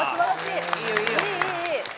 いいいいいい！